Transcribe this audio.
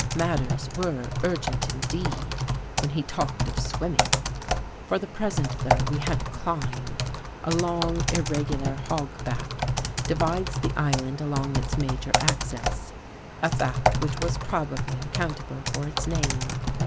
Mat ters were urgent, indeed, when he talked of swim ming. For the present, though, we had to climb. 'A long irregular hog back divides the island along its major axis — a fact which was probably accountable for its name.